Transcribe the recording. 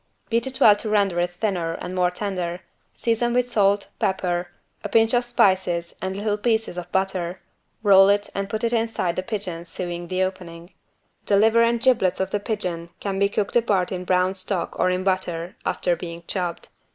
Beat it well to render it thinner and more tender, season with salt, pepper, a pinch of spices and little pieces of butter, roll it and put inside the pigeon sewing the opening. The liver and giblets of the pigeon can be cooked apart in brown stock or in butter, after being chopped.